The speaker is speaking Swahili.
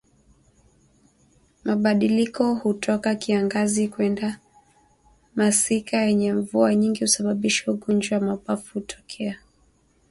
Mabadiliko kutoka kiangazi kwenda masika yenye mvua nyingi husababisha ugonjwa wa mapafu kutokea